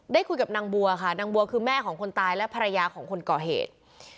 ได้คุยกับนางบัวค่ะนางบัวคือแม่ของคนตายและภรรยาของคนก่อเหตุ